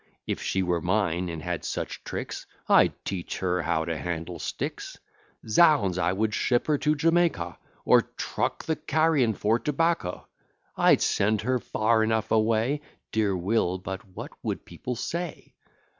If she were mine, and had such tricks, I'd teach her how to handle sticks: Z ds! I would ship her to Jamaica, Or truck the carrion for tobacco: I'd send her far enough away Dear Will; but what would people say?